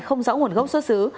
không rõ nguồn gốc xuất xứ